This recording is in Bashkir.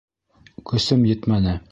Көсөм етмәне.